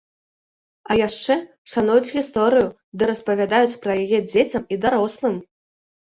А яшчэ шануюць гісторыю ды распавядаюць пра яе дзецям і дарослым.